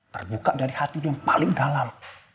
terbuka dari hati lo yang paling dalam